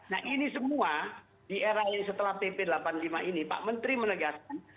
nah ini semua di era yang setelah pp delapan puluh lima ini pak menteri menegaskan